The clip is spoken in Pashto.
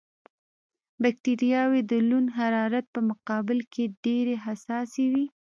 بکټریاوې د لوند حرارت په مقابل کې ډېرې حساسې وي.